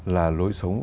là lối sống